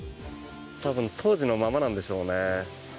多分当時のままなんでしょうね。